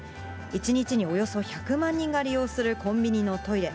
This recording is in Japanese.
１日におよそ１００万人が利用するコンビニのトイレ。